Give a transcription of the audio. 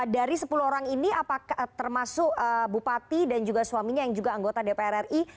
dari sepuluh orang ini termasuk bupati dan juga suaminya yang juga anggota dpr ri